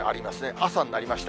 朝になりました。